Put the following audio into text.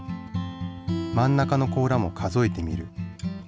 真ん中の甲羅も数えてみる。